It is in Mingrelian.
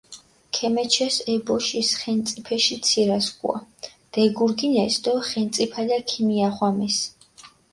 ქემეჩეს ე ბოშის ხენწიფეში ცირასქუა, დეგურგინეს დო ხენწიფალა ქიმიახვამეს.